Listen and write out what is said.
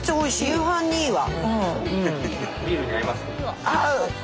夕飯にいいわ！